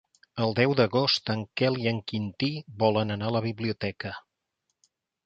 El deu d'agost en Quel i en Quintí volen anar a la biblioteca.